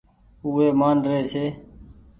اُو وي مآن ري ڇي۔